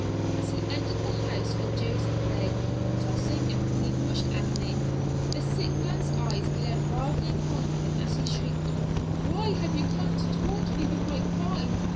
As he entered the house where Joseph lay, tossing in feverish agony, the sick man's eyes glared wildly upon him as he shrieked, "Why have you come to taunt me with my crime?